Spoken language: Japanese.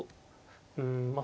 うんまあ